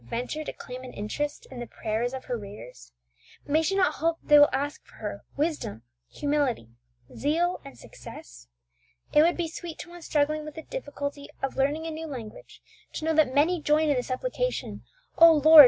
venture to claim an interest in the prayers of her readers? May she not hope that they will ask for her, wisdom, humility, zeal, and success? It would be sweet to one struggling with the difficulty of learning a new language to know that many joined in the supplication, "O Lord!